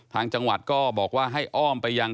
ทางจังหวัดก็บอกว่าให้อ้อมไปยัง